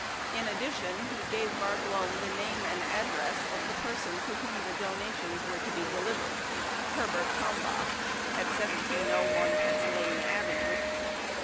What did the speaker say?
In addition, he gave Bartlome the name and address of the person to whom the dona tions were to be delivered — Herbert Kalmbach at 1701 Pennsylvania Avenue.